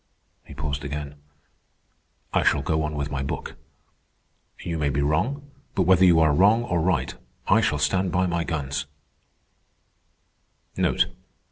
He paused again. "I shall go on with my book. You may be wrong, but whether you are wrong or right, I shall stand by my guns."